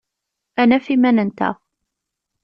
Ad naf iman-nteɣ.